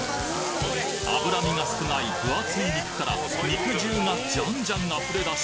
脂身が少ない分厚い肉から肉汁がじゃんじゃん溢れ出し